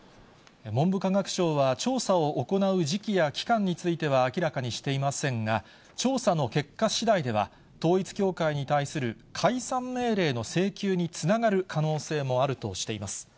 文部科学省は調査を行う時期や期間については明らかにしていませんが、調査の結果しだいでは、統一教会に対する解散命令の請求につながる可能性もあるとしています。